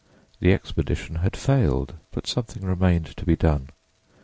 The expedition had failed, but something remained to be done.